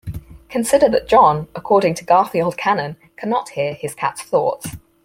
Consider that Jon, according to Garfield canon, cannot hear his cat's thoughts.